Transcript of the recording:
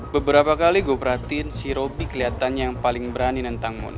beberapa kali gue perhatiin si robby kelihatannya yang paling berani nentang mondi